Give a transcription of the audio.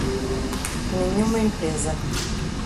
Nenhuma empresa